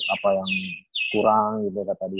apa yang kurang gitu kata dia